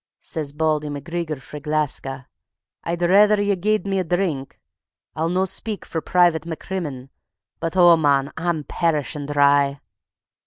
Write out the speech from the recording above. Says Bauldy MacGreegor frae Gleska: "I'd raither ye gied me a drink. I'll no speak for Private MacCrimmon, but oh, mon, I'm perishin' dry.